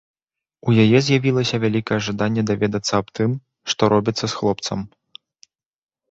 У яе з'явілася вялікае жаданне даведацца аб тым, што робіцца з хлопцам.